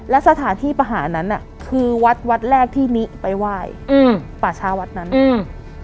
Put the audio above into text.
และสถานที่ประหารนั้นน่ะคือวัดวัดแรกที่นิไปไหว้อืมป่าชาวัดนั้นอืม